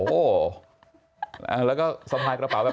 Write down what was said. โอ้โหแล้วก็สะพายกระเป๋าแบบ